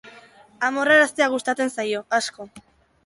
Amorraraztea gustatzen zaio, asko.